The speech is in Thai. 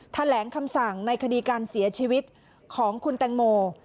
แถลงคำสั่งในคดีการเสียชีวิตของคุณแตงโม